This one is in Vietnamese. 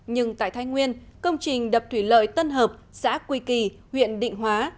nhưng tại thái nguyên công trình đập thủy lợi tân hợp xã quy kỳ huyện định hóa